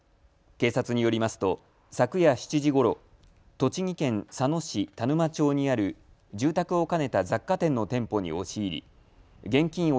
警察によりますと昨夜７時ごろ、栃木県佐野市田沼町にある住宅を兼ねた雑貨店の店舗に押し入り現金